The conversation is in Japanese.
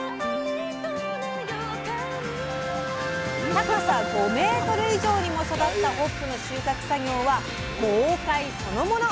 高さ５メートル以上にも育ったホップの収穫作業は豪快そのもの。